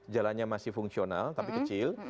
jalannya masih fungsional tapi kecil